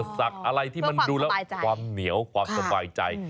ศักดิ์อะไรที่มันดูแล้วความเหนียวความสบายใจ